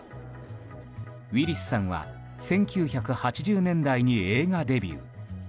ウィリスさんは１９８０年代に映画デビュー。